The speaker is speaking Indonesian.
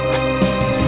lu udah ngapain